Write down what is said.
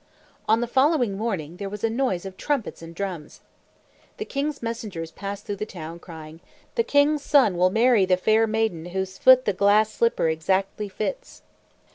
On the following morning, there was a noise of trumpets and drums. The king's messengers passed through the town, crying, "The king's son will marry the fair maiden whose foot the glass slipper exactly fits."